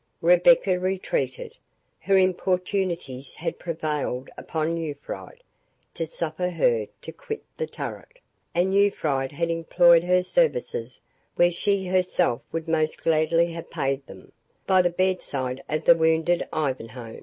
Rebecca retreated. Her importunities had prevailed upon Urfried to suffer her to quit the turret, and Urfried had employed her services where she herself would most gladly have paid them, by the bedside of the wounded Ivanhoe.